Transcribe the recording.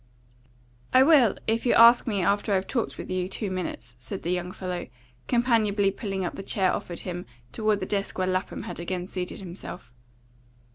"I will, if you ask me after I've talked with you two minutes," said the young fellow, companionably pulling up the chair offered him toward the desk where Lapham had again seated himself.